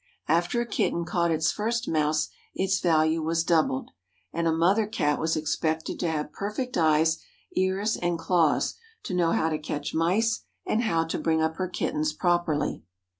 After a kitten caught its first mouse its value was doubled, and a mother Cat was expected to have perfect eyes, ears and claws, to know how to catch mice and how to bring up her kittens properly.